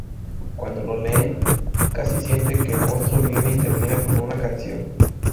Cuando lo leen, Cassie siente que el monstruo viene y termina con una canción.